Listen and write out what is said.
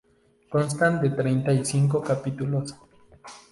Constan de treinta y cinco capítulos.